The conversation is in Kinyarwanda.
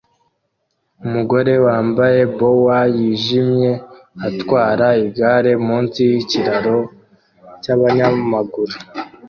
Umugore wambaye boa yijimye atwara igare munsi yikiraro cyabanyamaguru